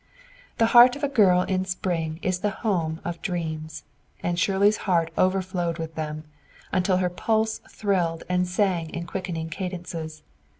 The heart of a girl in spring is the home of dreams, and Shirley's heart overflowed with them, until her pulse thrilled and sang in quickening cadences.